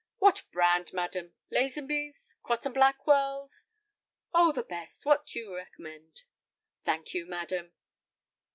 "What brand, madam? Lazenby's, Cross & Blackwell's—?" "Oh—the best—what you recommend." "Thank you, madam."